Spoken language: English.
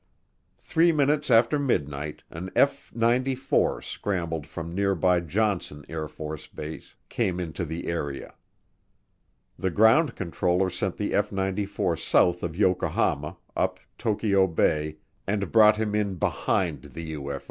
Three minutes after midnight an F 94 scrambled from nearby Johnson AFB came into the area. The ground controller sent the F 94 south of Yokohama, up Tokyo Bay, and brought him in "behind" the UFO.